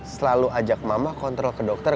selalu ajak mama kontrol ke dokter